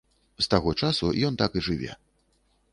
З таго часу ён так і жыве.